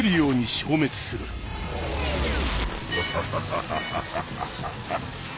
ハハハハ！